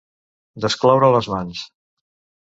Descloure les mans.